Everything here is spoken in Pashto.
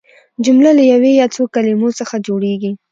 جمله له یوې یا څو کلیمو څخه جوړیږي.